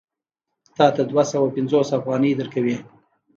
تا ته دوه سوه پنځوس افغانۍ درکوي